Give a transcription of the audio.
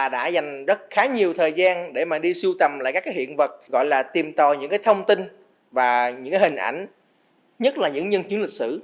đã dành rất khá nhiều thời gian để mà đi sưu tầm lại các cái hiện vật gọi là tìm tòi những cái thông tin và những cái hình ảnh nhất là những nhân chứng lịch sử